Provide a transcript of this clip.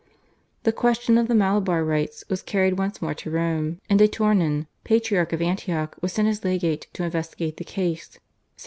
The question of the Malabar Rites was carried once more to Rome, and de Tournon, Patriarch of Antioch, was sent as legate to investigate the case (1703).